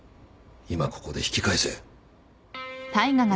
今ここで引き返せ。